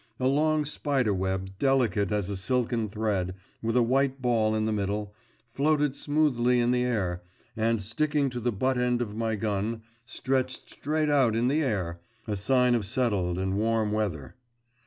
A long spider web, delicate as a silken thread, with a white ball in the middle, floated smoothly in the air, and sticking to the butt end of my gun, stretched straight out in the air a sign of settled and warm weather.